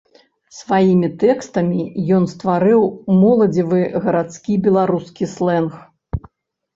Сваімі тэкстамі ён стварыў моладзевы гарадскі беларускі слэнг.